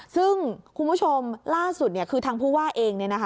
ซึ่งคุณผู้ชมล่าสุดคือทางผู้ว่าเอง